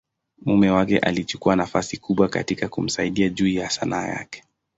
mume wake alichukua nafasi kubwa katika kumsaidia juu ya Sanaa yake.